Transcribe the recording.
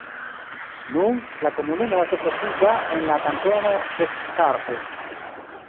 Nun, la komunumo estas lokita en la kantono Descartes.